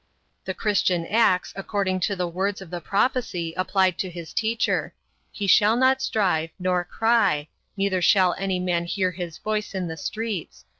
The Christian acts according to the words of the prophecy applied to his teacher: "He shall not strive, nor cry; neither shall any man hear his voice in the streets.